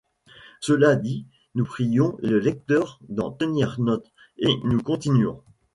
Cela dit, nous prions le lecteur d'en tenir note, et nous continuons.